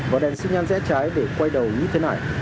và đèn xích nhan rẽ trái để quay đầu như thế này